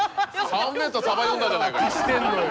３ｍさば読んだじゃないかよ。